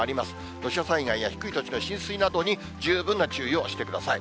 土砂災害や低い土地の浸水などに十分な注意をしてください。